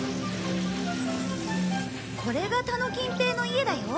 これが田野金平の家だよ。